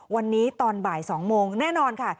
วันนี้ตอนบ่าย๒โมงแน่นอนค่ะ